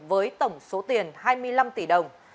với tổng số tiền hai mươi năm tỷ đồng